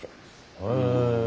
へえ。